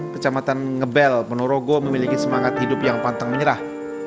kecamatan ngebel ponorogo memiliki semangat hidup yang pantang menyerah